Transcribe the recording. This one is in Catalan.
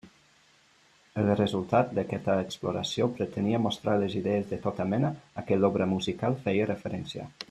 El resultat d'aquesta exploració pretenia mostrar les idees de tota mena a què l'obra musical feia referència.